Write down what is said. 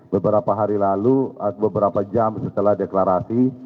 beberapa hari lalu beberapa jam setelah deklarasi